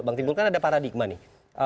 bang timbul kan ada paradigma nih